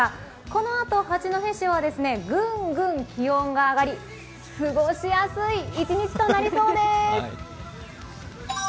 このあと、八戸市はぐんぐん気温が上がり過ごしやすい一日となりそうです。